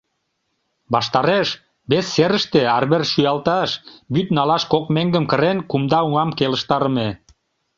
Ваштареш, вес серыште арвер шӱялташ, вӱд налаш кок меҥгым кырен, кумда оҥам келыштарыме.